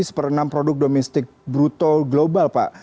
seperempat produk domestik brutal global pak